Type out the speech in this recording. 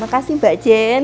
makasih mbak jen